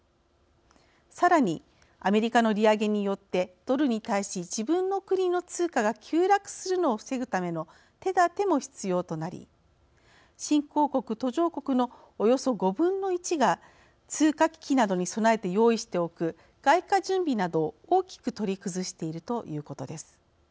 さらにアメリカの利上げによってドルに対し自分の国の通貨が急落するのを防ぐための手だても必要となり新興国・途上国のおよそ５分の１が通貨危機などに備えて用意しておく外貨準備などを大きく取り崩しているということです。